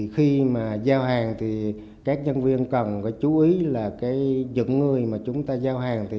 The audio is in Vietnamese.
khi giao hàng các nhân viên cần chú ý là những người mà chúng ta giao hàng